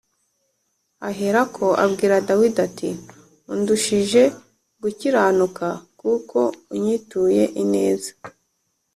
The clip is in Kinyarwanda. Aherako abwira Dawidi ati “Undushije gukiranuka kuko unyituye ineza